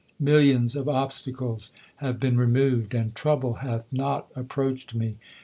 Millions of obstacles have been removed and trouble hath not approached me.